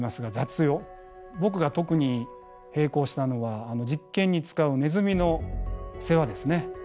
僕が特に閉口したのは実験に使うネズミの世話ですね。